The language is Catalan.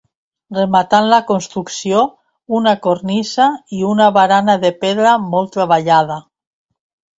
Rematant la construcció, una cornisa, i una barana de pedra molt treballada.